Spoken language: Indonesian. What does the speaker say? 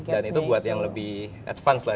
dan itu buat yang lebih advance lah